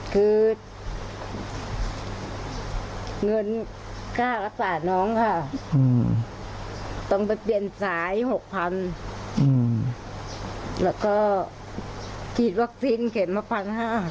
คือเงินค่ารักษาน้องค่ะต้องไปเปลี่ยนสายหกพันแล้วก็ฉีดวัคซีนเข็มมาพันห้า